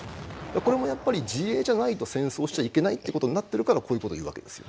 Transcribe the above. これもやっぱり自衛じゃないと戦争しちゃいけないってことになってるからこういうこと言うわけですよ。